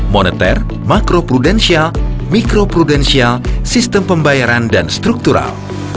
moneter makroprudensial mikroprudensial sistem pembayaran dan struktural